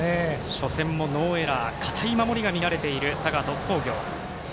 初戦もノーエラー堅い守りが見られている佐賀、鳥栖工業。